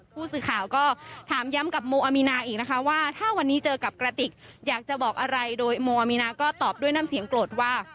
ผู้สื่อข่าวก็ถามย้ำกับโมอามีนาอีกนะคะว่าถ้าวันนี้เจอกับกระติกอยากจะบอกอะไรโดยโมอามีนาก็ตอบด้วยน้ำเสียงโกรธว่า